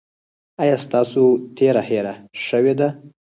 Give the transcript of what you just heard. ایا ستاسو تیره هیره شوې ده؟